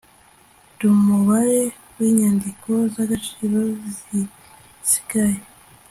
dumubare w inyandiko z agaciro zisigaye